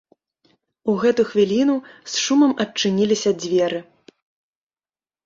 У гэту хвіліну з шумам адчыніліся дзверы.